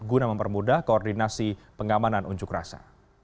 guna mempermudah koordinasi pengamanan unjuk rasa